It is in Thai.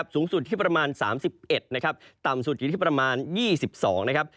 สูงสุดที่ประมาณ๓๑นะครับต่ำสุดอยู่ที่ประมาณ๒๒นะครับ